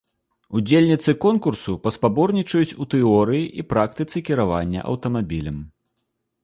Удзельніцы конкурсу паспаборнічаюць у тэорыі і практыцы кіравання аўтамабілем.